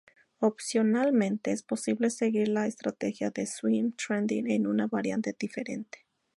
Opcionalmente, es posible seguir la estrategia de Swing Trading en una variante diferente.